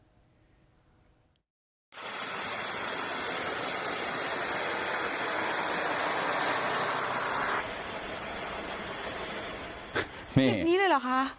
แบบนี้เลยเหรอคะ